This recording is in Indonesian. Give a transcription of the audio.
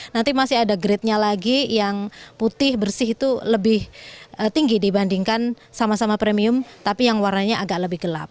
nanti masih ada grade nya lagi yang putih bersih itu lebih tinggi dibandingkan sama sama premium tapi yang warnanya agak lebih gelap